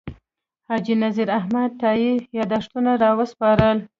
حاجي نذیر احمد تائي یاداښتونه راوسپارل.